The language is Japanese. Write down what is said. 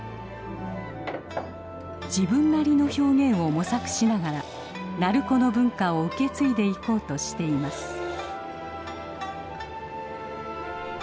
自分なりの表現を模索しながら鳴子の文化を受け継いでいこうとしています。